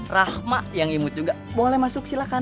rahma yang imut juga boleh masuk silahkan